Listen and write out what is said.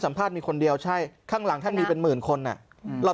ภาษณมีคนเดียวใช่ข้างหลังท่านมีเป็นหมื่นคนอ่ะอืมเรา